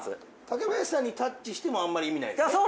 竹林さんにタッチしてもあんまり意味ないですね？